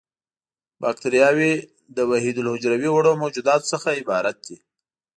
باکټریاوې له وحیدالحجروي وړو موجوداتو څخه عبارت دي.